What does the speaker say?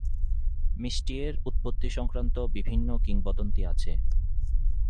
মিষ্টি এর উৎপত্তি সংক্রান্ত বিভিন্ন কিংবদন্তি আছে।